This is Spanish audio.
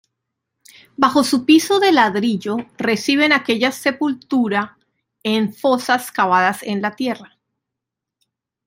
Bajo su piso de ladrillo, reciben aquellas sepultura en fosas cavadas en la tierra.